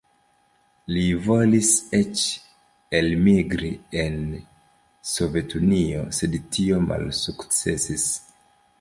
Li volis eĉ elmigri en Sovetunion, sed tio malsukcesis.